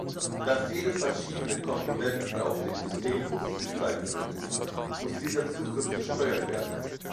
Da viele verschiedene Komponenten auf den Systembus zugreifen möchten, muss dieser Zugriff gesteuert werden.